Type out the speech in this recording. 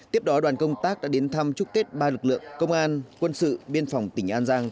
tiếp đó đoàn công tác đã đến thăm chúc tết ba lực lượng công an quân sự biên phòng tỉnh an giang